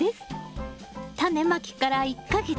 タネまきから１か月。